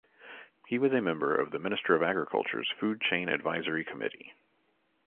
He was a member of the Minister of Agriculture's food chain advisory committee.